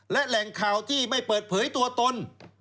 และแหล่งข่าวที่ไม่เปิดเผยตัวตน